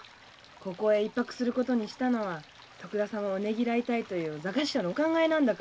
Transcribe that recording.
ここへ一泊することにしたのは徳田様をねぎらいたいという座頭のお考えなんだから。